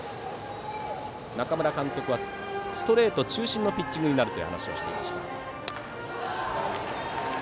中村監督はストレート中心のピッチングになるという話をしていました。